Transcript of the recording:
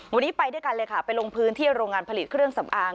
วันนี้ไปด้วยกันเลยค่ะไปลงพื้นที่โรงงานผลิตเครื่องสำอาง